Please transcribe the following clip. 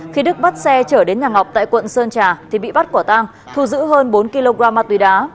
khi đức bắt xe chở đến nhà ngọc tại quận sơn trà thì bị bắt quả tang thu giữ hơn bốn kg ma túy đá